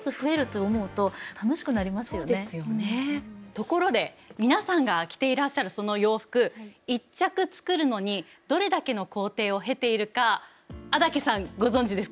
ところで皆さんが着ていらっしゃるその洋服１着作るのにどれだけの工程を経ているか安宅さんご存じですか？